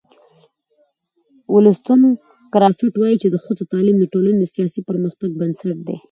ولستون کرافټ وایي چې د ښځو تعلیم د ټولنې د سیاسي پرمختګ بنسټ دی.